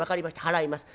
払います。